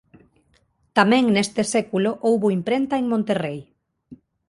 Tamén neste século houbo imprenta en Monterrei.